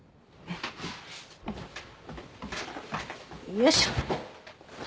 よいしょ。